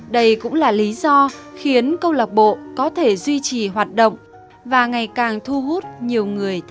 đây cũng là lý do khiến câu lạc bộ có thể duy trì hoạt động và ngày càng thu hút nhiều người tham gia